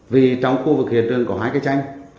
vì trong khu vực hiện trường có hai cái tranh